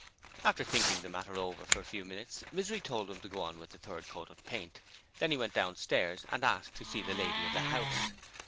After thinking the matter over for a few minutes, Misery told them to go on with the third coat of paint. Then he went downstairs and asked to see the lady of the house.